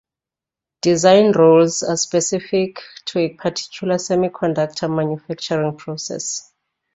Design rules are specific to a particular semiconductor manufacturing process.